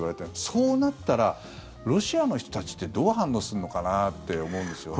そうなったらロシアの人たちってどう反応するのかなって思うんですよね。